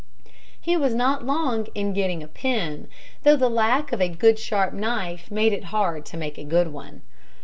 He was not long in getting a pen, though the lack of a good sharp knife made it hard to make a good one.